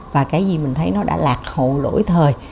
và cái gì mình thấy nó đã lạc hậu lỗi thời